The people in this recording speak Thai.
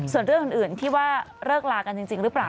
ส่วนเรื่องอื่นที่ว่าเลิกลากันจริงหรือเปล่า